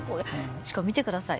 しかも見て下さい。